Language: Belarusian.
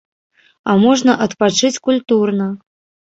А можна адпачыць культурна.